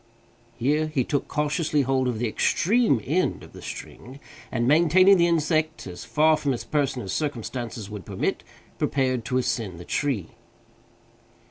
Here he took cautiously hold of the extreme end of the string, and, maintaining the insect as far from his person as circumstances would permit, prepared to ascend the tree.